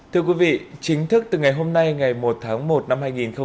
thưa quý vị chính thức từ ngày hôm nay ngày một tháng một năm hai nghìn hai mươi